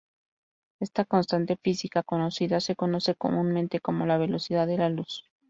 Esta constante física conocida se conoce comúnmente como la velocidad de la luz.